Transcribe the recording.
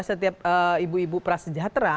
setiap ibu ibu prasejahtera